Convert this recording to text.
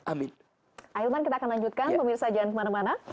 ailman kita akan lanjutkan pemirsa jalan kemana mana